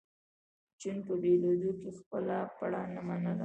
جون په بېلېدو کې خپله پړه نه منله